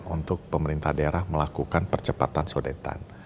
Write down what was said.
untuk pemerintah daerah melakukan percepatan sodetan